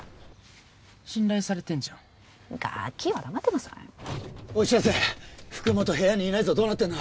信頼されてんじゃんガキは黙ってなさいおい白瀬福本部屋にいないぞどうなってんだ？